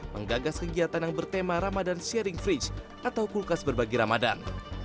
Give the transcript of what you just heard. menggagas kegiatan yang bertema ramadhan sharing fridge atau kulkas berbagi ramadhan